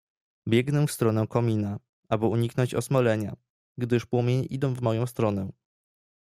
"Biegnę w stronę komina, aby uniknąć osmalenia, gdyż płomienie idą w moją stronę."